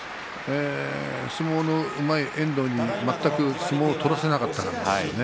相撲のうまい遠藤に全く相撲を取らせなかったですね。